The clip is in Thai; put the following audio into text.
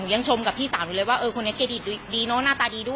ยังชมกับพี่สาวอยู่เลยว่าเออคนนี้เครดิตดีเนอะหน้าตาดีด้วย